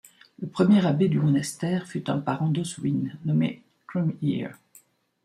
Le premier abbé du monastère fut un parent d'Oswine, nommé Trumhere.